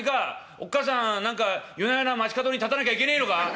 おっ母さん何か夜な夜な街角に立たなきゃいけねえのか？